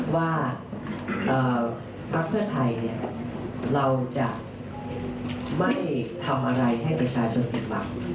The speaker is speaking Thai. ว่าพักเพื่อไทยเราจะไม่ทำอะไรให้ประชาชนผิดหวัง